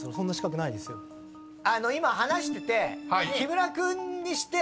今話してて。